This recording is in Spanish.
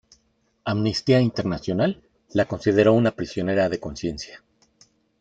Amnistía Internacional la consideró una prisionera de conciencia.